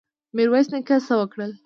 میرویس نیکه څه وکړل؟